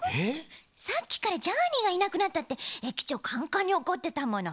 さっきから「ジャーニーがいなくなった」ってえきちょうカンカンにおこってたもの。